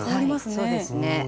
そうですね。